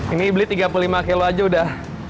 ini beli tiga puluh lima kilo aja udah